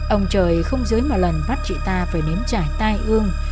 ông trời không dưới một lần bắt chị ta phải nếm chải tai ương